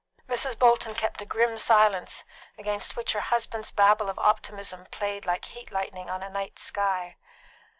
Mrs. Bolton kept a grim silence, against which her husband's babble of optimism played like heat lightning on a night sky.